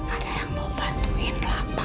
ada yang mau bantuin kelapa